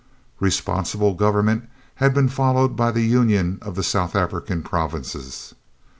Responsible government has been followed by the Union of the South African provinces.